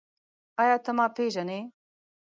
ایا ته ما پېژنې؟